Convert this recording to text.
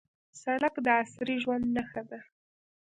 سړک د عصري ژوند نښه ده.